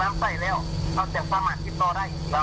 เพราะว่าที่นี่ยังมีตัวเลขมีตัวเลขอย่างยืดเกี่ยวกับผู้เสียชีวิต